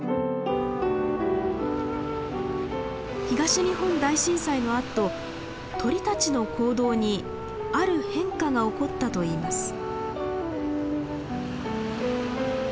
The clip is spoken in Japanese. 東日本大震災のあと鳥たちの行動にある変化が起こったといいます。